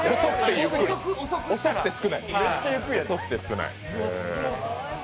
遅くて少ない。